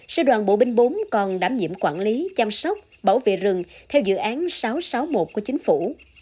sư đoàn bộ binh bốn còn đảm nhiệm quản lý chăm sóc bảo vệ rừng theo dự án sáu trăm sáu mươi một của chính phủ